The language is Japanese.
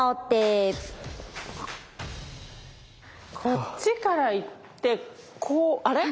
こっちからいってこうあれ？